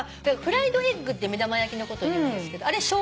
フライドエッグって目玉焼きのこというんですけどあれ